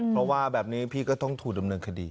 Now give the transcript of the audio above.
เพราะว่าแบบนี้พี่ก็ต้องถูกดำเนินคดี